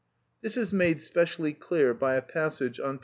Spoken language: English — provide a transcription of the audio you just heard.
This is made specially clear by a passage on p.